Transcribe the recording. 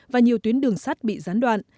và nhiều tuyến đường sắt bị gián đoạn